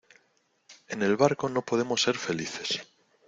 en el barco no podemos ser felices